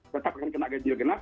tetap akan kena ganjil genap